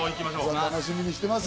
楽しみにしてます！